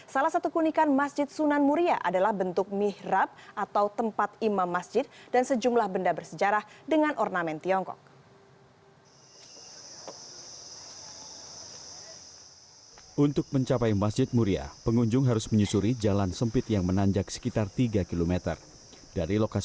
salah satu keunikan masjid sunan muria adalah bentuk mihrab atau tempat imam masjid dan sejumlah benda bersejarah dengan ornamen tiongkok